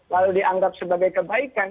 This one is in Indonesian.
lalu dianggap sebagai kebaikan